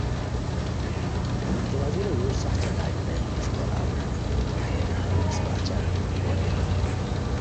ہتے وزیرو ژور سخت چالاک بیرائے، ہوݰ کوراوا بیرائے کی ہتے نہنگ اسپہ اچہ گونی رے